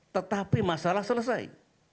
tetapi masalah selesai